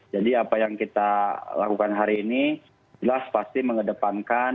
jadi apa yang kita lakukan hari ini jelas pasti mengedepankan